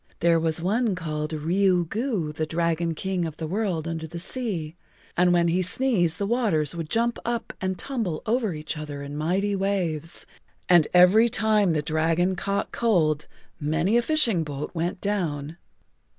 "There was one called Riu Gu, the Dragon King of the World Under the Sea, and when he sneezed the waters would jump up and tumble over each other in mighty waves, and every time the dragon caught cold[Pg 34] many a fishing boat went down.